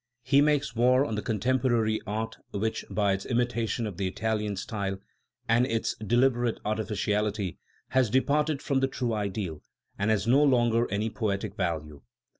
He makes war on the contemporary art which, by its imitation of the Italian style and its deliberate artificiality, has departed from the true ideal, and has no longer any poetic value.